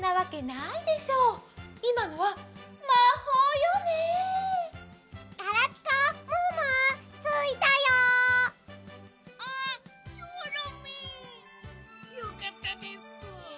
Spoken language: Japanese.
「よかったですぷ」。